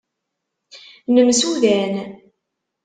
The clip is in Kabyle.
Nemsudan.